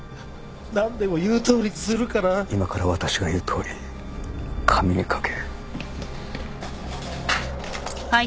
今から私が言うとおり紙に書け。